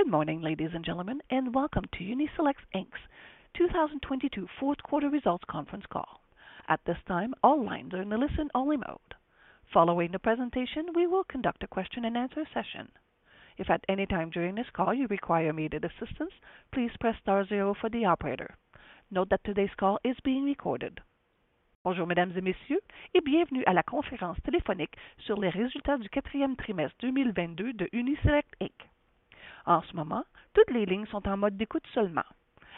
Good morning, ladies and gentlemen, Welcome to Uni-Select Inc.'s 2022 Fourth Quarter Results Conference Call. At this time, all lines are in a listen-only mode. Following the presentation, we will conduct a question-and-answer session. If at any time during this call you require immediate assistance, please press star zero for the operator. Note that today's call is being recorded. Bonjour, mesdames et messieurs, bienvenue à la conférence téléphonique sur les résultats du quatrième trimestre 2022 de Uni-Select Inc.. En ce moment, toutes les lignes sont en mode d'écoute seulement.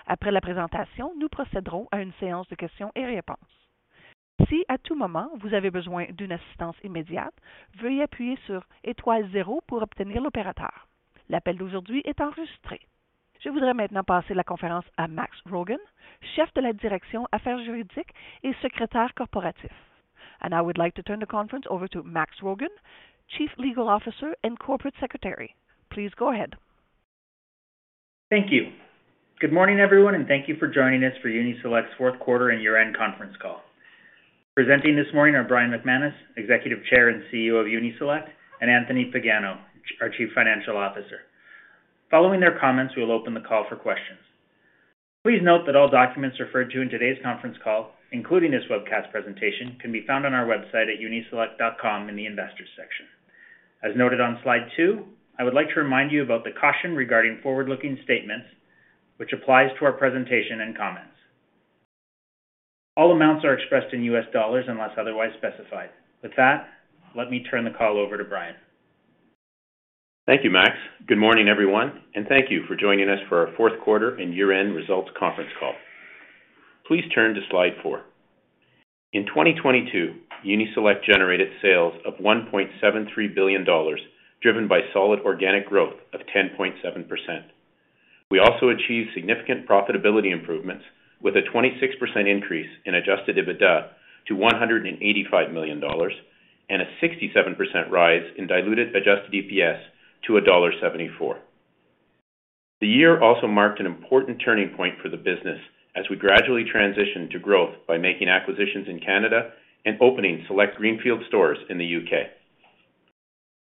Après la présentation, nous procéderons à une séance de questions et réponses. Si à tout moment, vous avez besoin d'une assistance immédiate, veuillez appuyer sur étoile 0 pour obtenir l'opérateur. L'appel d'aujourd'hui est enregistré. Je voudrais maintenant passer la conférence à Max Rogan, Chef de la direction affaires juridiques et Secrétaire corporatif. I would like to turn the conference over to Max Rogan, Chief Legal Officer and Corporate Secretary. Please go ahead. Thank you. Good morning, everyone, and thank you for joining us for Uni-Select's 4th quarter and year-end conference call. Presenting this morning are Brian McManus, Executive Chair and CEO of Uni-Select, and Anthony Pagano, our Chief Financial Officer. Following their comments, we will open the call for questions. Please note that all documents referred to in today's conference call, including this webcast presentation, can be found on our website at uniselect.com in the Investors section. As noted on slide two, I would like to remind you about the caution regarding forward-looking statements, which applies to our presentation and comments. All amounts are expressed in U.S. dollars unless otherwise specified. With that, let me turn the call over to Brian. Thank you, Max. Good morning, everyone, and thank you for joining us for our 4th quarter and year-end results conference call. Please turn to slide four. In 2022, Uni-Select generated sales of $1.73 billion, driven by solid organic growth of 10.7%. We also achieved significant profitability improvements with a 26% increase in Adjusted EBITDA to $185 million and a 67% rise in Diluted Adjusted EPS to $1.74. The year also marked an important turning point for the business as we gradually transitioned to growth by making acquisitions in Canada and opening select greenfield stores in the U.K.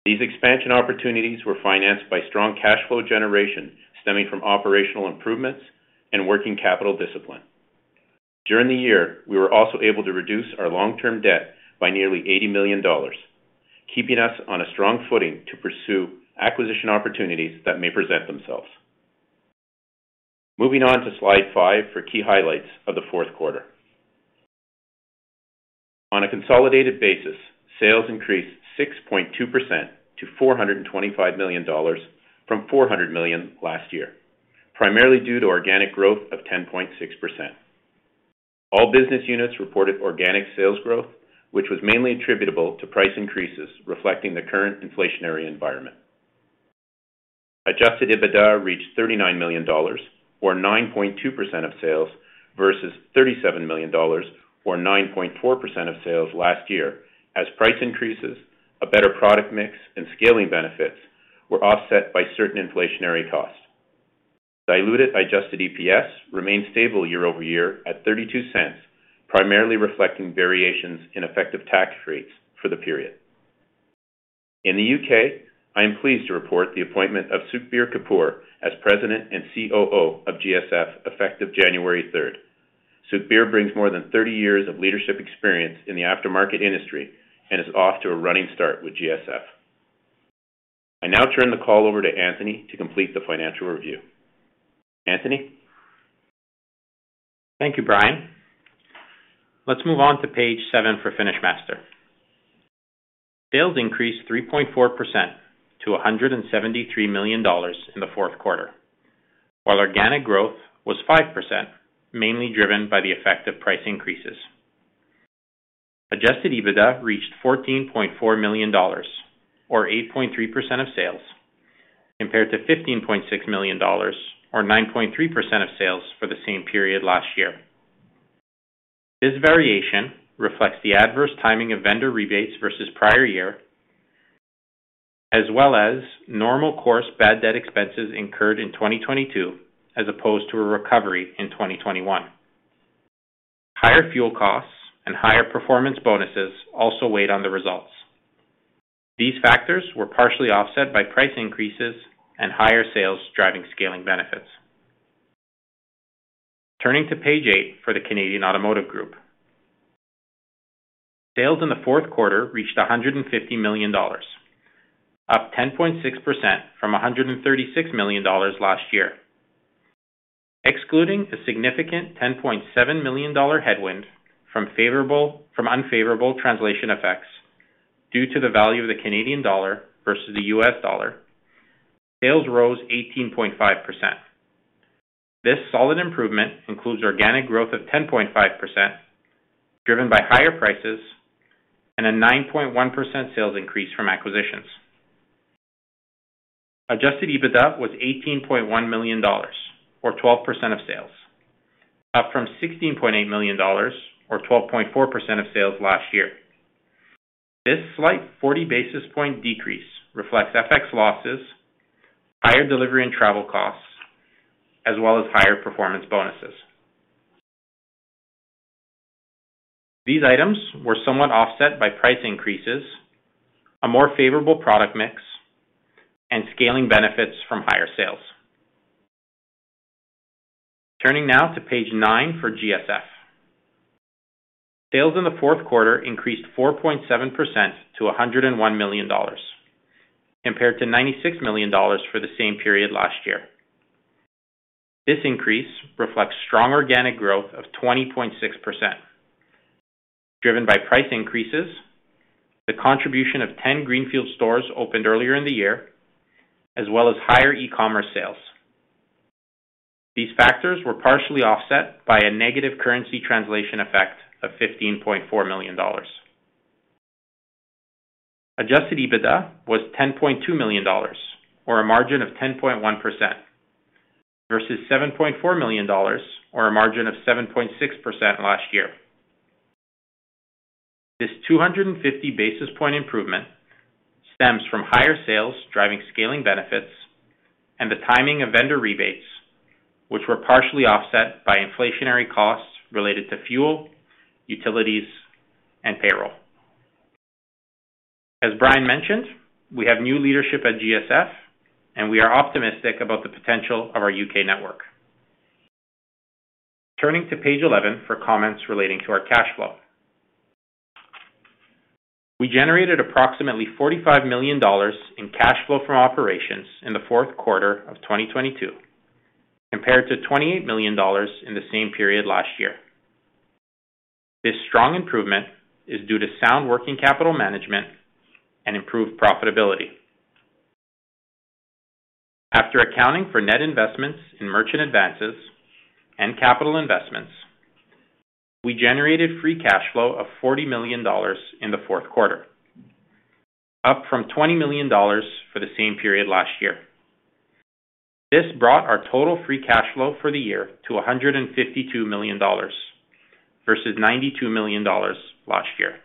These expansion opportunities were financed by strong cash flow generation stemming from operational improvements and working capital discipline. During the year, we were also able to reduce our long-term debt by nearly $80 million, keeping us on a strong footing to pursue acquisition opportunities that may present themselves. Moving on to Slide five for key highlights of the 4th quarter. On a consolidated basis, sales increased 6.2% to $425 million from $400 million last year, primarily due to organic growth of 10.6%. All business units reported organic sales growth, which was mainly attributable to price increases reflecting the current inflationary environment. Adjusted EBITDA reached $39 million or 9.2% of sales versus $37 million or 9.4% of sales last year as price increases, a better product mix and scaling benefits were offset by certain inflationary costs. Diluted Adjusted EPS remained stable year-over-year at $0.32, primarily reflecting variations in effective tax rates for the period. In the U.K., I am pleased to report the appointment of Sukhbir Kapoor as President and COO of GSF effective January 3rd. Sukhbir brings more than 30 years of leadership experience in the aftermarket industry and is off to a running start with GSF. I now turn the call over to Anthony to complete the financial review. Anthony. Thank you, Brian. Let's move on to page seven for FinishMaster. Sales increased 3.4% to $173 million in the 4th quarter, while organic growth was 5%, mainly driven by the effect of price increases. Adjusted EBITDA reached $14.4 million or 8.3% of sales compared to $15.6 million or 9.3% of sales for the same period last year. This variation reflects the adverse timing of vendor rebates versus prior year, as well as normal course bad debt expenses incurred in 2022 as opposed to a recovery in 2021. Higher fuel costs and higher performance bonuses also weighed on the results. These factors were partially offset by price increases and higher sales driving scaling benefits. Turning to page eight for the Canadian Automotive Group. Sales in the 4th quarter reached $150 million, up 10.6% from $136 million last year. Excluding a significant $10.7 million headwind from unfavorable translation effects due to the value of the Canadian dollar versus the U.S. dollar, sales rose 18.5%. This solid improvement includes organic growth of 10.5%, driven by higher prices and a 9.1% sales increase from acquisitions. Adjusted EBITDA was $18.1 million or 12% of sales, up from $16.8 million or 12.4% of sales last year. This slight 40 basis point decrease reflects FX losses, higher delivery and travel costs, as well as higher performance bonuses. These items were somewhat offset by price increases, a more favorable product mix, and scaling benefits from higher sales. Turning now to page nine for GSF. Sales in the 4th quarter increased 4.7% to $101 million, compared to $96 million for the same period last year. This increase reflects strong organic growth of 20.6%, driven by price increases, the contribution of 10 greenfield stores opened earlier in the year, as well as higher e-commerce sales. These factors were partially offset by a negative currency translation effect of $15.4 million. Adjusted EBITDA was $10.2 million, or a margin of 10.1% versus $7.4 million or a margin of 7.6% last year. This 250 basis point improvement stems from higher sales, driving scaling benefits and the timing of vendor rebates, which were partially offset by inflationary costs related to fuel, utilities, and payroll. As Brian mentioned, we have new leadership at GSF, and we are optimistic about the potential of our U.K. network. Turning to page 11 for comments relating to our cash flow. We generated approximately $45 million in cash flow from operations in the 4th quarter of 2022, compared to $28 million in the same period last year. This strong improvement is due to sound working capital management and improved profitability. After accounting for net investments in merchant advances and capital investments, we generated free cash flow of $40 million in the 4th quarter, up from $20 million for the same period last year. This brought our total free cash flow for the year to $152 million versus $92 million last year.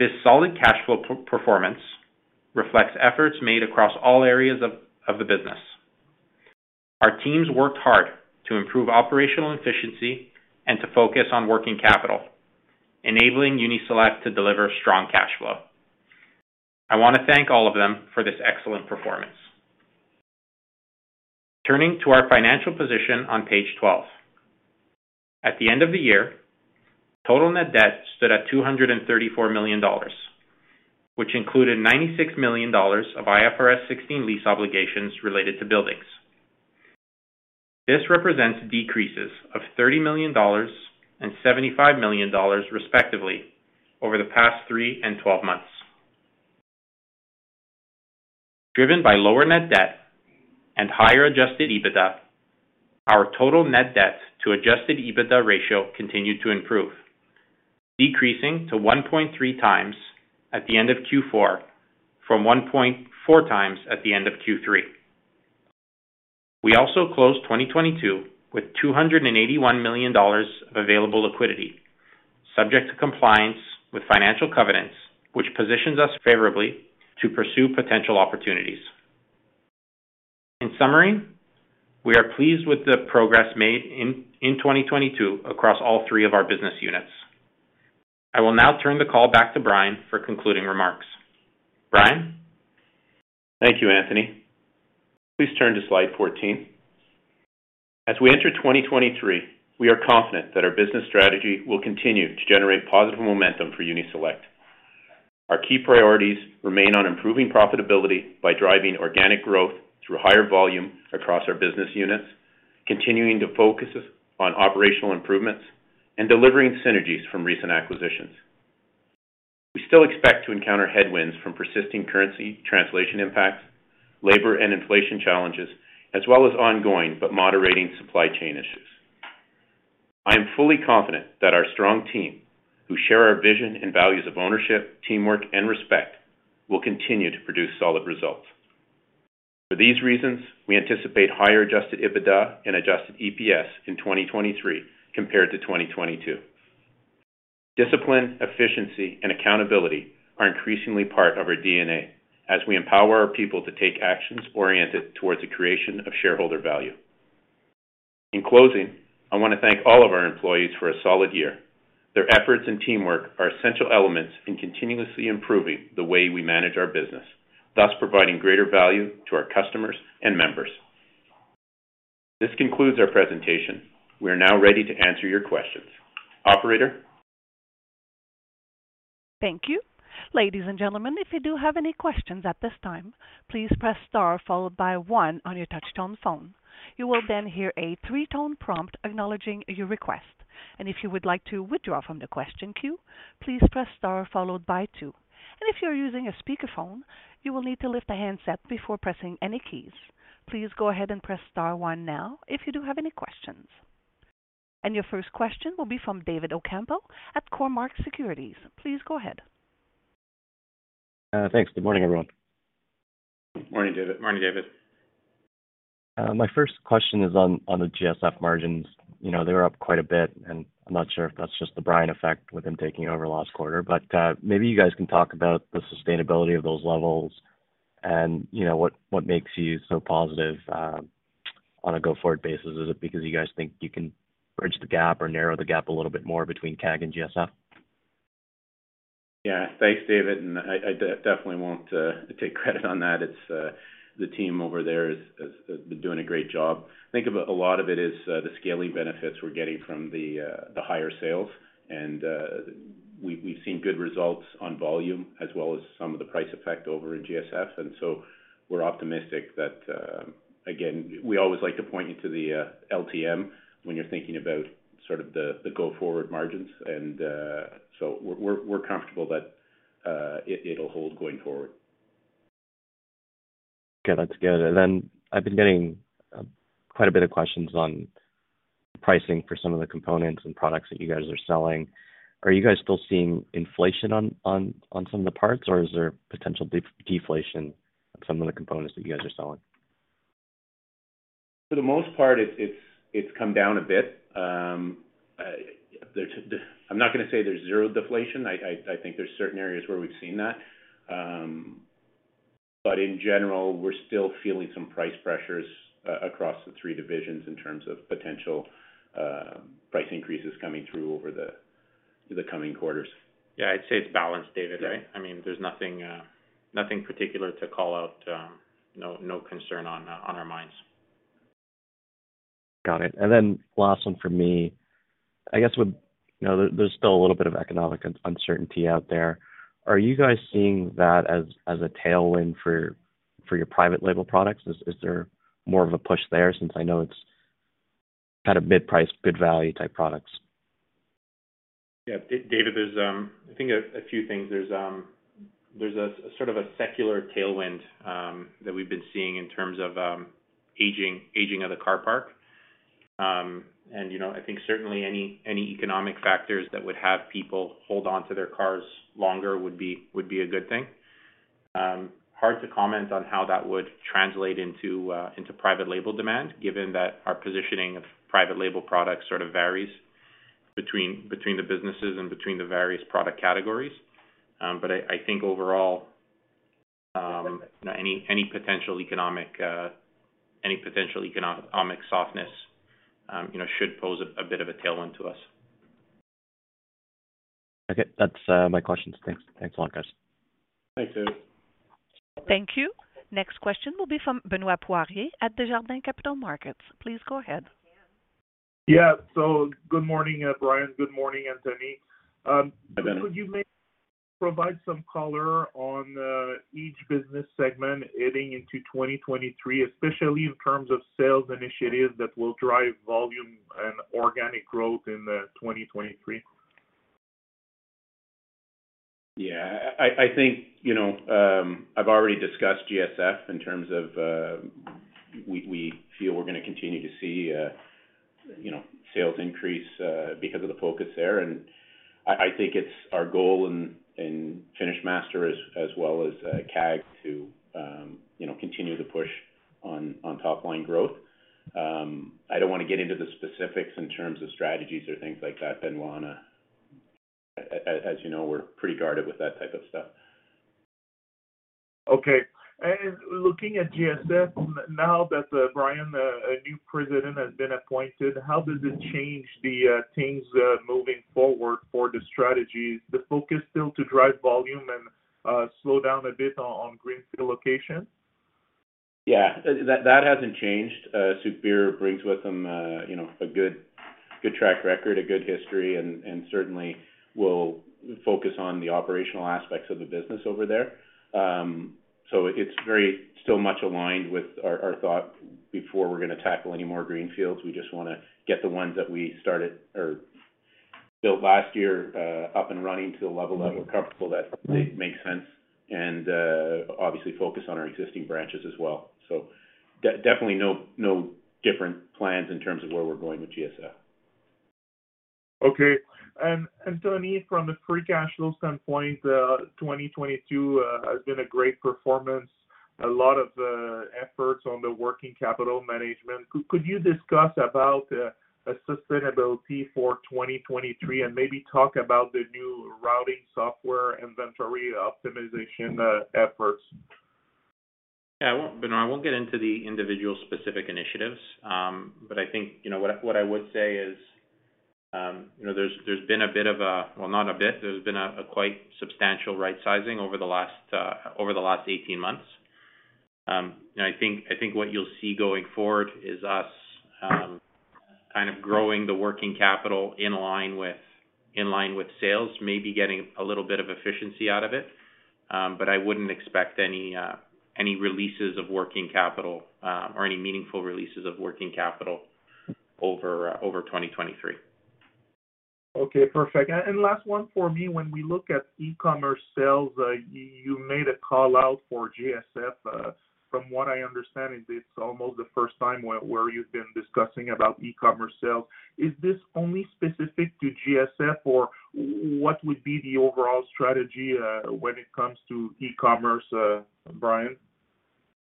This solid cash flow performance reflects efforts made across all areas of the business. Our teams worked hard to improve operational efficiency and to focus on working capital, enabling Uni-Select to deliver strong cash flow. I wanna thank all of them for this excellent performance. Turning to our financial position on page 12. At the end of the year, total net debt stood at $234 million, which included $96 million of IFRS 16 lease obligations related to buildings. This represents decreases of $30 million and $75 million, respectively, over the past three and 12 months. Driven by lower net debt and higher Adjusted EBITDA, our total net debt to Adjusted EBITDA ratio continued to improve, decreasing to 1.3x at the end of Q4 from 1.4x at the end of Q3. We also closed 2022 with $281 million of available liquidity, subject to compliance with financial covenants, which positions us favorably to pursue potential opportunities. In summary, we are pleased with the progress made in 2022 across all three of our business units. I will now turn the call back to Brian for concluding remarks. Brian? Thank you, Anthony. Please turn to slide 14. As we enter 2023, we are confident that our business strategy will continue to generate positive momentum for Uni-Select. Our key priorities remain on improving profitability by driving organic growth through higher volume across our business units, continuing to focus us on operational improvements and delivering synergies from recent acquisitions. We still expect to encounter headwinds from persisting currency translation impacts, labor and inflation challenges, as well as ongoing, but moderating supply chain issues. I am fully confident that our strong team, who share our vision and values of ownership, teamwork, and respect, will continue to produce solid results. For these reasons, we anticipate higher adjusted EBITDA and adjusted EPS in 2023 compared to 2022. Discipline, efficiency and accountability are increasingly part of our DNA as we empower our people to take actions oriented towards the creation of shareholder value. In closing, I wanna thank all of our employees for a solid year. Their efforts and teamwork are essential elements in continuously improving the way we manage our business, thus providing greater value to our customers and members. This concludes our presentation. We are now ready to answer your questions. Operator? Thank you. Ladies and gentlemen, if you do have any questions at this time, please press star followed by one on your touchtone phone. You will then hear a three tone prompt acknowledging your request. If you would like to withdraw from the question queue, please press star followed by two. If you're using a speakerphone, you will need to lift the handset before pressing any keys. Please go ahead and press star one now if you do have any questions. Your 1st question will be from David Ocampo at Cormark Securities. Please go ahead. Thanks. Good morning, everyone. Morning, David. Morning, David. My 1st question is on the GSF margins. You know, they were up quite a bit, and I'm not sure if that's just the Brian McManus effect with him taking over last quarter. Maybe you guys can talk about the sustainability of those levels and, you know, what makes you so positive On a go forward basis, is it because you guys think you can bridge the gap or narrow the gap a little bit more between CAG and GSF? Yeah. Thanks, David. I definitely won't take credit on that. It's the team over there has been doing a great job. Think of it... a lot of it is the scaling benefits we're getting from the higher sales. We've seen good results on volume as well as some of the price effect over in GSF. We're optimistic that... Again, we always like to point you to the LTM when you're thinking about sort of the go forward margins. We're comfortable that it'll hold going forward. Okay, that's good. I've been getting quite a bit of questions on pricing for some of the components and products that you guys are selling. Are you guys still seeing inflation on some of the parts, or is there potential de-deflation on some of the components that you guys are selling? For the most part it's come down a bit. I'm not gonna say there's zero deflation. I think there's certain areas where we've seen that. In general, we're still feeling some price pressures across the three divisions in terms of potential price increases coming through over the coming quarters. Yeah. I'd say it's balanced, David, right? Yeah. I mean, there's nothing nothing particular to call out, no concern on our minds. Got it. Last one from me. I guess with, you know, there's still a little bit of economic uncertainty out there, are you guys seeing that as a tailwind for your private label products? Is there more of a push there since I know it's kind of mid-priced, good value type products? Yeah. David, there's, I think a few things. There's, there's a sort of a secular tailwind that we've been seeing in terms of aging of the car park. You know, I think certainly any economic factors that would have people hold on to their cars longer would be a good thing. Hard to comment on how that would translate into private label demand, given that our positioning of private label products sort of varies between the businesses and between the various product categories. I think overall, any potential economic softness, you know, should pose a bit of a tailwind to us. Okay. That's, my questions. Thanks. Thanks a lot, guys. Thanks, David. Thank you. Next question will be from Benoit Poirier at Desjardins Capital Markets. Please go ahead. Yeah. good morning, Brian. Good morning, Anthony. Hi, Benoit. Could you maybe provide some color on each business segment heading into 2023, especially in terms of sales initiatives that will drive volume and organic growth in 2023? Yeah. I think, you know, I've already discussed GSF in terms of, we feel we're gonna continue to see, you know, sales increase, because of the focus there. I think it's our goal in FinishMaster as well as CAG to, you know, continue to push on top line growth. I don't wanna get into the specifics in terms of strategies or things like that, Benoit. As you know, we're pretty guarded with that type of stuff. Okay. Looking at GSF, now that Brian, a new president has been appointed, how does it change the things moving forward for the strategy? Is the focus still to drive volume and slow down a bit on greenfield location? Yeah. That hasn't changed. Sukhbir brings with him a good track record, a good history, and certainly will focus on the operational aspects of the business over there. It's very still much aligned with our thought before we're gonna tackle any more greenfields. We just wanna get the ones that we started or built last year up and running to a level that we're comfortable that makes sense, and obviously focus on our existing branches as well. Definitely no different plans in terms of where we're going with GSF. Okay. Anthony, from a free cash flow standpoint, 2022, has been a great performance. A lot of, efforts on the working capital management. Could you discuss about, sustainability for 2023 and maybe talk about the new routing software inventory optimization, efforts? Yeah. Benoit, I won't get into the individual specific initiatives. I think, you know, what I would say is, you know, there's been a bit of a... well, not a bit, there's been a quite substantial right sizing over the last, over the last 18 months. I think what you'll see going forward is us, kind of growing the working capital in line with sales, maybe getting a little bit of efficiency out of it. I wouldn't expect any releases of working capital, or any meaningful releases of working capital over 2023. Okay, perfect. Last one for me. When we look at e-commerce sales, you made a call out for GSF. From what I understand is it's almost the 1st time where you've been discussing about e-commerce sales. Is this only specific to GSF, or what would be the overall strategy when it comes to e-commerce, Brian?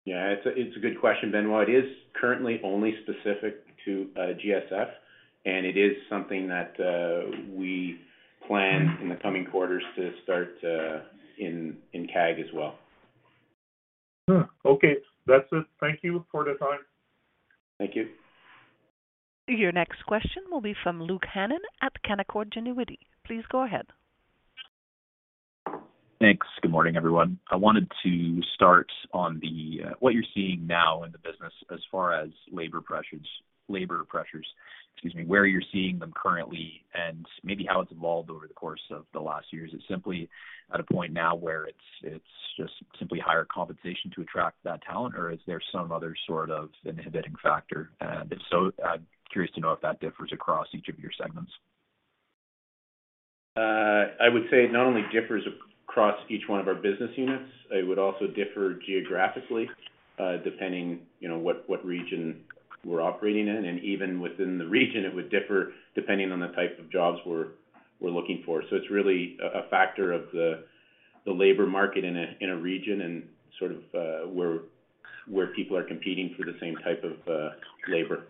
Yeah. It's a good question, Benoit. It is currently only specific to GSF, and it is something that we plan in the coming quarters to start in CAG as well. Okay. That's it. Thank you for the time. Thank you. Your next question will be from Luke Hannan at Canaccord Genuity. Please go ahead. Thanks. Good morning, everyone. I wanted to start on the, what you're seeing now in the business as far as labor pressures, excuse me, where you're seeing them currently and maybe how it's evolved over the course of the last years. Is it simply at a point now where it's just simply higher compensation to attract that talent, or is there some other sort of inhibiting factor? If so, curious to know if that differs across each of your segments. I would say it not only differs across each one of our business units, it would also differ geographically, depending, you know, what region we're operating in. Even within the region, it would differ depending on the type of jobs we're looking for. It's really a factor of the labor market in a region and sort of, where people are competing for the same type of labor.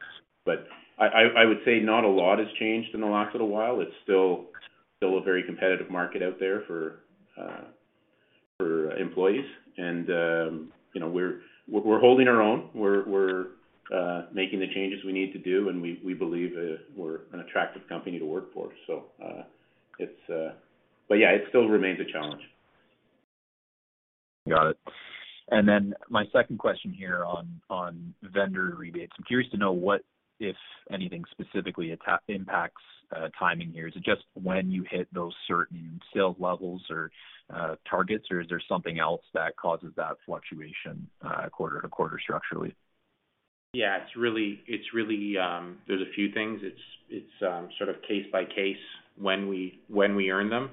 I would say not a lot has changed in the last little while. It's still a very competitive market out there for employees and, you know, we're holding our own. We're making the changes we need to do, and we believe, we're an attractive company to work for. It's.Yeah, it still remains a challenge. Got it. My 2nd question here on vendor rebates. I'm curious to know what, if anything, specifically impacts timing here. Is it just when you hit those certain sales levels or targets, or is there something else that causes that fluctuation quarter-to-quarter structurally? Yeah, it's really. There's a few things. It's sort of case by case when we earn them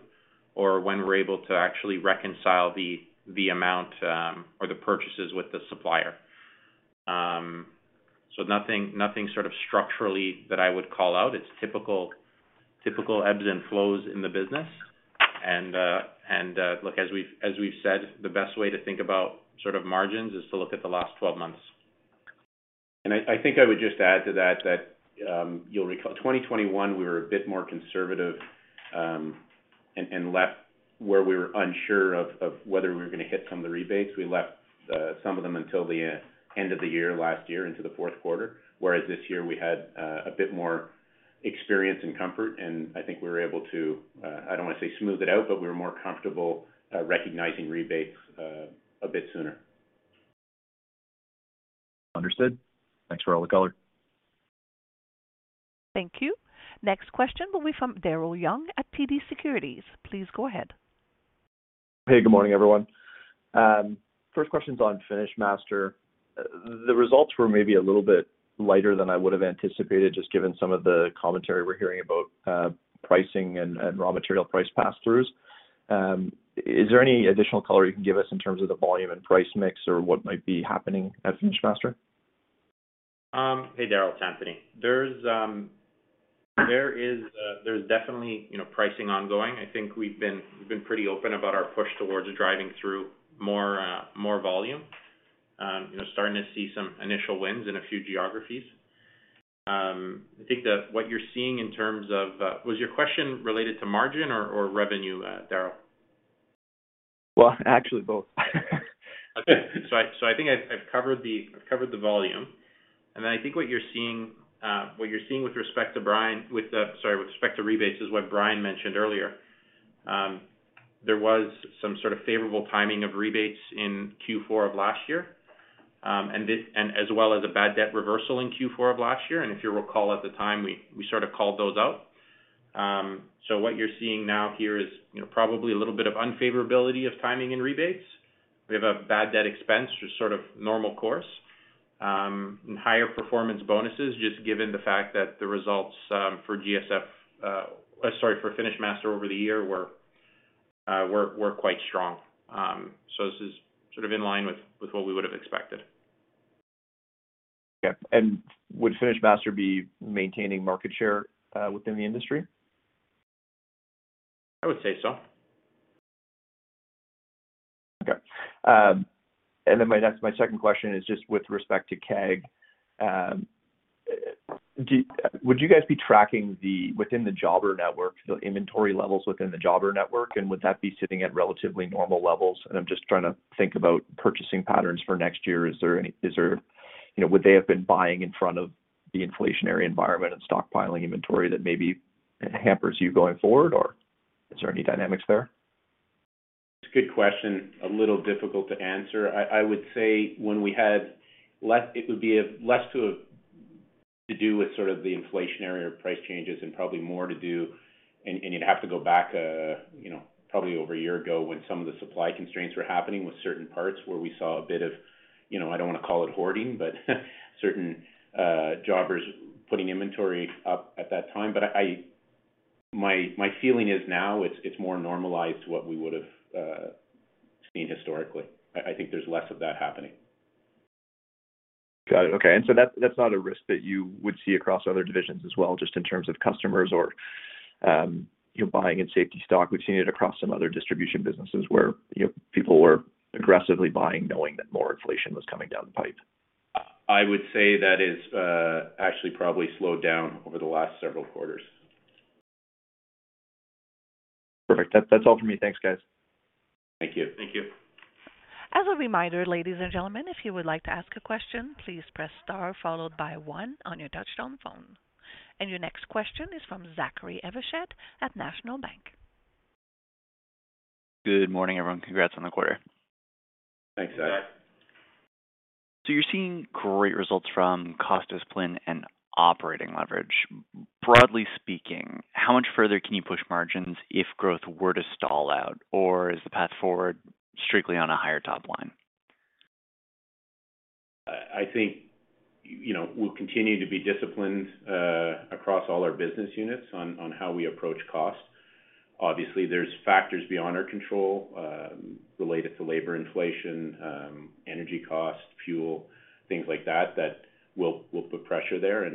or when we're able to actually reconcile the amount or the purchases with the supplier. So nothing sort of structurally that I would call out. It's typical ebbs and flows in the business. Look, as we've said, the best way to think about sort of margins is to look at the last 12 months. I think I would just add to that, you'll recall 2021, we were a bit more conservative, and left where we were unsure of whether we were gonna hit some of the rebates. We left some of them until the end of the year last year into the 4th quarter, whereas this year we had a bit more experience and comfort, and I think we were able to, I don't wanna say smooth it out, but we were more comfortable recognizing rebates a bit sooner. Understood. Thanks for all the color. Thank you. Next question will be from Daryl Young at TD Securities. Please go ahead. Hey, good morning, everyone. First question's on FinishMaster. The results were maybe a little bit lighter than I would've anticipated, just given some of the commentary we're hearing about, pricing and raw material price pass-throughs. Is there any additional color you can give us in terms of the volume and price mix or what might be happening at FinishMaster? Hey, Daryl, it's Anthony. There's, there is, there's definitely, you know, pricing ongoing. I think we've been pretty open about our push towards driving through more, more volume. You know, starting to see some initial wins in a few geographies. I think that what you're seeing in terms of, Was your question related to margin or revenue, Daryl? Well, actually both. I think I've covered the volume. I think what you're seeing with respect to Brian, sorry, with respect to rebates is what Brian mentioned earlier. There was some sort of favorable timing of rebates in Q4 of last year, and as well as a bad debt reversal in Q4 of last year. If you recall at the time, we sort of called those out. What you're seeing now here is, you know, probably a little bit of unfavorability of timing in rebates. We have a bad debt expense, just sort of normal course, and higher performance bonuses, just given the fact that the results for GSF, sorry, for FinishMaster over the year were quite strong. This is sort of in line with what we would've expected. Yeah. Would FinishMaster be maintaining market share within the industry? I would say so. Okay. My 2nd question is just with respect to CAG. Would you guys be tracking the, within the jobber network, the inventory levels within the jobber network, and would that be sitting at relatively normal levels? I'm just trying to think about purchasing patterns for next year. Is there, you know, would they have been buying in front of the inflationary environment and stockpiling inventory that maybe hampers you going forward, or is there any dynamics there? It's a good question. A little difficult to answer. I would say when we had less to do with sort of the inflationary or price changes and probably more to do. You'd have to go back, you know, probably over a year ago when some of the supply constraints were happening with certain parts where we saw a bit of, you know, I don't wanna call it hoarding, but certain jobbers putting inventory up at that time. My feeling is now it's more normalized to what we would've seen historically. I think there's less of that happening. Got it. Okay. That's not a risk that you would see across other divisions as well, just in terms of customers or, you know, buying in safety stock? We've seen it across some other distribution businesses where, you know, people were aggressively buying knowing that more inflation was coming down the pipe. I would say that is actually probably slowed down over the last several quarters. That's all for me. Thanks, guys. Thank you. Thank you. As a reminder, ladies and gentlemen, if you would like to ask a question, please press star followed by one on your touchtone phone. Your next question is from Zachary Evershed at National Bank. Good morning, everyone. Congrats on the quarter. You're seeing great results from cost discipline and operating leverage. Broadly speaking, how much further can you push margins if growth were to stall out? Is the path forward strictly on a higher top line? I think, you know, we'll continue to be disciplined across all our business units on how we approach cost. Obviously, there's factors beyond our control, related to labor inflation, energy costs, fuel, things like that will put pressure there.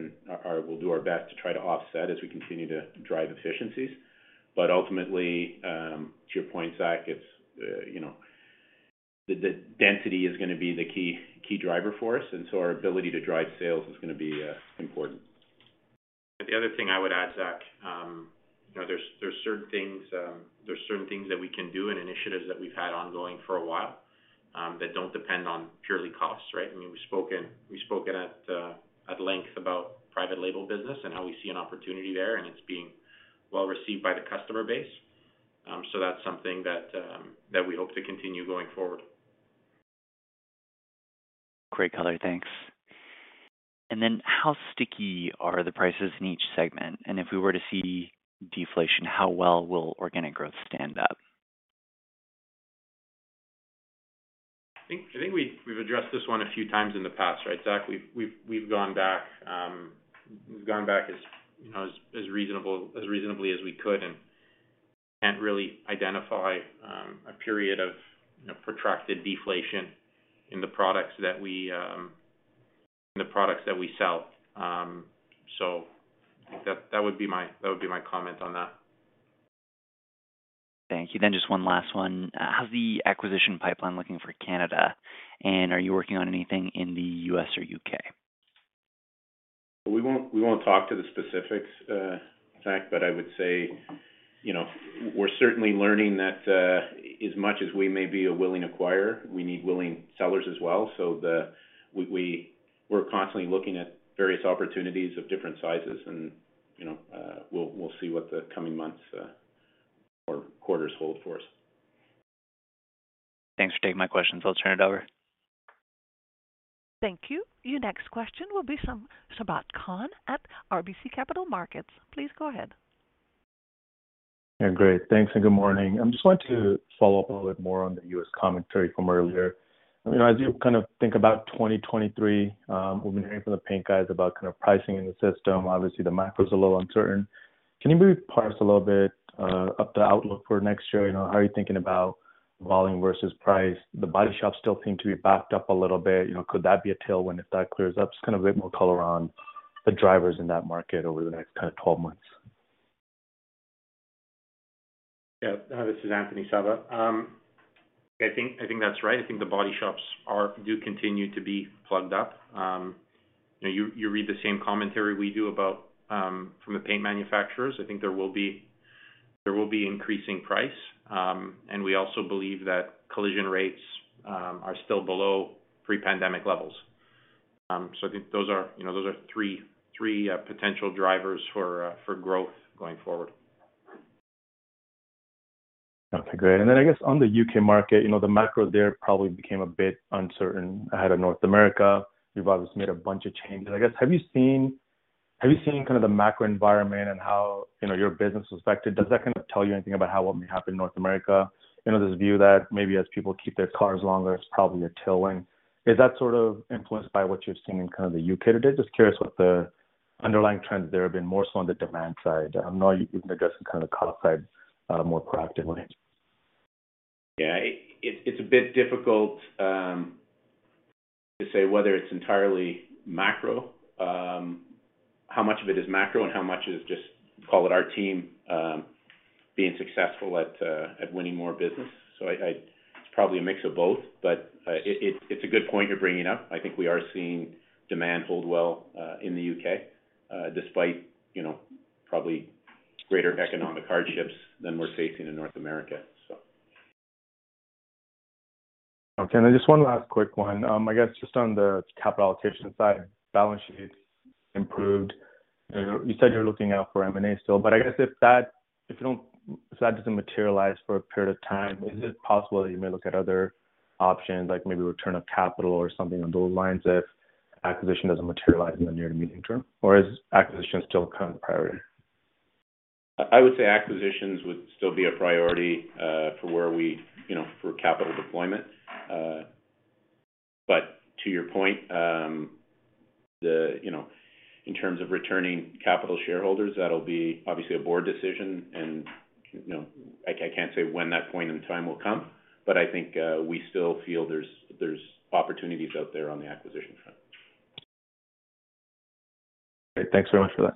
We'll do our best to try to offset as we continue to drive efficiencies. Ultimately, to your point, Zach, it's, you know, the density is gonna be the key driver for us, and so our ability to drive sales is gonna be important. The other thing I would add, Zach, you know, there's certain things that we can do and initiatives that we've had ongoing for a while that don't depend on purely cost, right? I mean, we've spoken at length about private label business and how we see an opportunity there, and it's being well-received by the customer base. That's something that we hope to continue going forward. Great color. Thanks. How sticky are the prices in each segment? If we were to see deflation, how well will organic growth stand up? I think we've addressed this one a few times in the past, right, Zach? We've gone back as, you know, as reasonable, as reasonably as we could and can't really identify a period of, you know, protracted deflation in the products that we in the products that we sell. I think that would be my comment on that. Thank you. Just one last one. How's the acquisition pipeline looking for Canada? Are you working on anything in the U.S. or U.K.? We won't talk to the specifics, Zach, but I would say, you know, we're certainly learning that, as much as we may be a willing acquirer, we need willing sellers as well. We're constantly looking at various opportunities of different sizes and, you know, we'll see what the coming months or quarters hold for us. Thanks for taking my questions. I'll turn it over. Thank you. Your next question will be from Sabahat Khan at RBC Capital Markets. Please go ahead. Yeah. Great. Thanks. Good morning. I just wanted to follow up a little bit more on the U.S. commentary from earlier. You know, as you kind of think about 2023, we've been hearing from the paint guys about kind of pricing in the system. Obviously, the macro's a little uncertain. Can you maybe parse a little bit of the outlook for next year? You know, how are you thinking about volume versus price? The body shops still seem to be backed up a little bit. You know, could that be a tailwind if that clears up? Just kind of a bit more color on the drivers in that market over the next kinda 12 months. Yeah. This is Anthony, Saba. I think that's right. I think the body shops do continue to be plugged up. You know, you read the same commentary we do about from the paint manufacturers. I think there will be increasing price. We also believe that collision rates are still below pre-pandemic levels. I think those are, you know, those are three potential drivers for growth going forward. Okay, great. I guess on the U.K. market, you know, the macro there probably became a bit uncertain ahead of North America. You've obviously made a bunch of changes. I guess, have you seen kind of the macro environment and how, you know, your business was affected? Does that kind of tell you anything about how what may happen in North America? You know, this view that maybe as people keep their cars longer, it's probably a tailwind. Is that sort of influenced by what you're seeing in kind of the U.K. today? Just curious what the underlying trends there have been, more so on the demand side. I know you've been addressing kind of the cost side, more proactively. Yeah. It's a bit difficult to say whether it's entirely macro, how much of it is macro and how much is just, call it our team, being successful at winning more business. It's probably a mix of both, but it's a good point you're bringing up. I think we are seeing demand hold well in the U.K., despite, you know, probably greater economic hardships than we're facing in North America, so. Okay. Just one last quick one. I guess just on the capital allocation side, balance sheet improved. You know, you said you're looking out for M&A still, I guess if that doesn't materialize for a period of time, is it possible that you may look at other options, like maybe return of capital or something along those lines if acquisition doesn't materialize in the near to medium term? Is acquisition still kind of the priority? I would say acquisitions would still be a priority, for where we, you know, for capital deployment. To your point, the, you know, in terms of returning capital to shareholders, that'll be obviously a board decision and, you know, I can't say when that point in time will come, but I think we still feel there's opportunities out there on the acquisition front. Great. Thanks very much for that.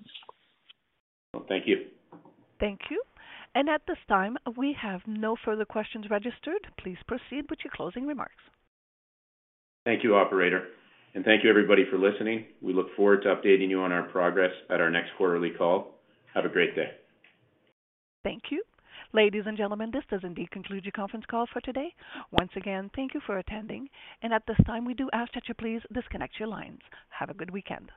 Thank you. Thank you. At this time, we have no further questions registered. Please proceed with your closing remarks. Thank you, operator, and thank you everybody for listening. We look forward to updating you on our progress at our next quarterly call. Have a great day. Thank you. Ladies and gentlemen, this does indeed conclude your conference call for today. Once again, thank you for attending. At this time, we do ask that you please disconnect your lines. Have a good weekend.